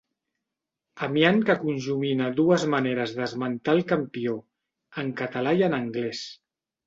Amiant que conjumina dues maneres d'esmentar el campió, en català i en anglès.